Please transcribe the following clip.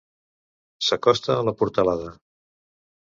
S'acosta a la portalada.